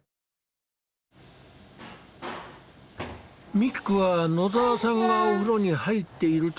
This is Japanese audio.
ミックは野澤さんがお風呂に入っている時も